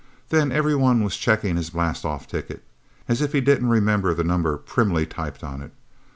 Then everybody was checking his blastoff ticket, as if he didn't remember the number primly typed on it.